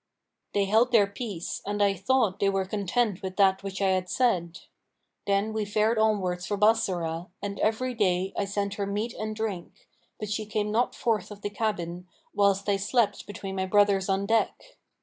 They held their peace, and I thought they were content with that which I had said. Then we fared onwards for Bassorah, and every day I sent her meat and drink; but she came not forth of the cabin, whilst I slept between my brothers on deck.